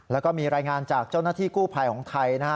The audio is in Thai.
แล้วก็มีรายงานจากเจ้าหน้าที่กู้ภัยของไทยนะฮะ